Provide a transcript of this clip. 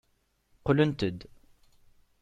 Qqlent-d.